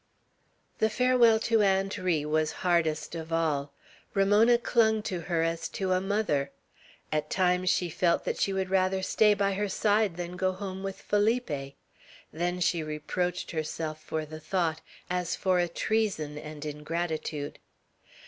The farewell to Aunt Ri was hardest of all. Ramona clung to her as to a mother. At times she felt that she would rather stay by her side than go home with Felipe; then she reproached herself for the thought, as for a treason and ingratitude.